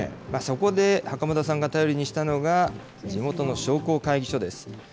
そこで袴田さんが頼りにしたのが、地元の商工会議所です。